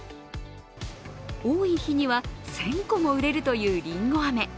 多い日には１０００個も売れるというりんご飴。